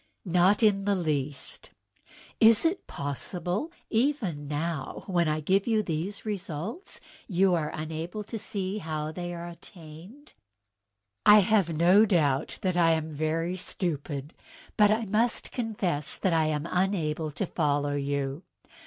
"Not in the least. Is it possible that even now, when I give you these results, you are unable to see how they are attained?" " I have no doubt that I am very stupid; but I must confess that I am unable to follow you.